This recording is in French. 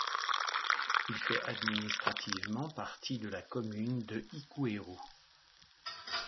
Il fait administrativement partie de la commune de Hikueru.